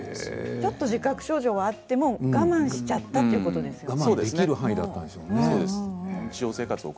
ちょっと自覚症状があっても我慢しちゃったということですよね。